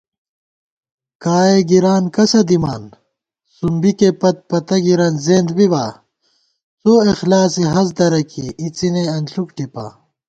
کائے گِران کسہ دِامان سُم بِکےپت پتہ گِرَن زېنت بِبا * څواخلاصےہست درہ کېئی اِڅِنےانݪُک ٹِپا